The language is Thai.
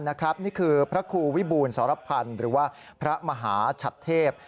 นี่คือพระครูวิบูรสรพันธ์หรือว่าพระมหาชัดเทพ